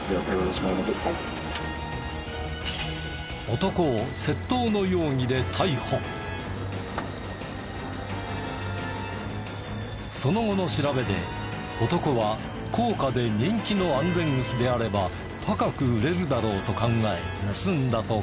男をその後の調べで男は高価で人気の安全靴であれば高く売れるだろうと考え盗んだと語った。